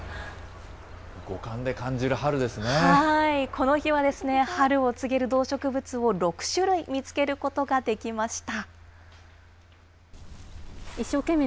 この日は、春を告げる動植物を６種類見つけることができました。